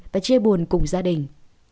và chia buồn cùng gia đình